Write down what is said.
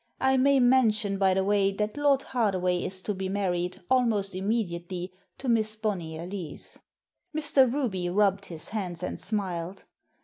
I may mention, by the way, that Lord Hardaway is to be married, almost immediately, to Miss Bonnyer Lees." Mr. Ruby rubbed his hands and smiled.